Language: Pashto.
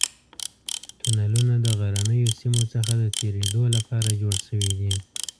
تونلونه د غرنیو سیمو څخه د تېرېدو لپاره جوړ شوي دي.